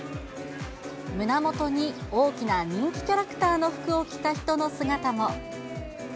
胸元に大きな人気キャラクターの服を着た人の姿も。